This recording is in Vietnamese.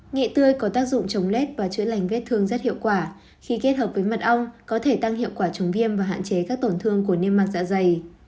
nghệ tươi có tác dụng chống lết và chữa lành vết thương rất hiệu quả khi kết hợp với mật ong có thể tăng hiệu quả chống viêm và hạn chế các tổn thương của niêm mặt dạ dày